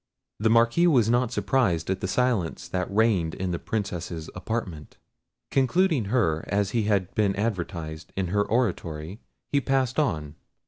The Marquis was not surprised at the silence that reigned in the Princess's apartment. Concluding her, as he had been advertised, in her oratory, he passed on.